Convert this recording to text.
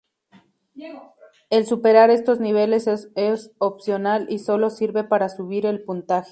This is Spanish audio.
El superar estos niveles es opcional y sólo sirve para subir el puntaje.